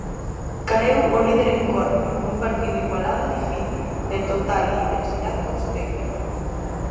Caeu o líder en Corme, nun partido igualado e difícil, de total intensidade costeira.